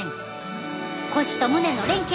腰と胸の連係